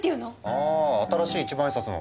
あ新しい一万円札の。